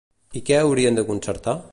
I què haurien de concertar?